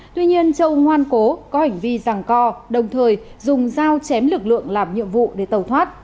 tuy nhiên châu ngoan cố có hành vi rằng co đồng thời dùng dao chém lực lượng làm nhiệm vụ để tàu thoát